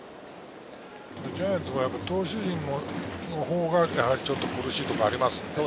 ジャイアンツは投手陣のほうが苦しいところがありますね。